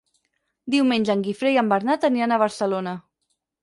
Diumenge en Guifré i en Bernat aniran a Barcelona.